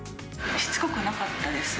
しつこくなかったです。